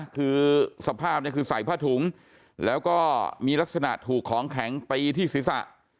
คือสภาพคือใส่ผ้าถุงแล้วก็มีลักษณะถูกของแข็งไปที่ศิษย์ศะ